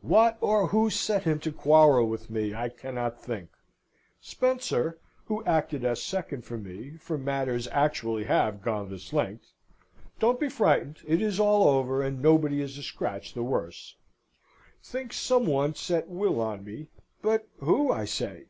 "What or who set him to quarrel with me, I cannot think. Spencer (who acted as second for me, for matters actually have gone this length; don't be frightened; it is all over, and nobody is a scratch the worse) thinks some one set Will on me, but who, I say?